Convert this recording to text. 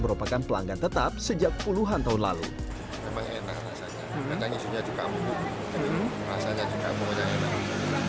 merupakan pelanggan tetap sejak puluhan tahun lalu memang enak rasanya kacang hijau nya cukup